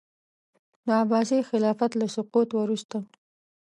د عباسي خلافت له سقوط وروسته.